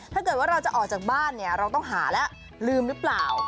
ถ้าเกิดว่าเราจะออกจากบ้านเนี่ยเราต้องหาแล้วลืมหรือเปล่า